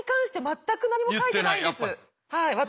はい私。